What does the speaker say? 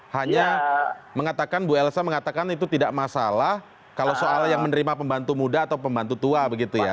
hanya mengatakan bu elsa mengatakan itu tidak masalah kalau soal yang menerima pembantu muda atau pembantu tua begitu ya